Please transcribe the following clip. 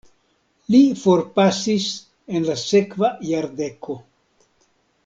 Li forpasis en la sekva jardeko.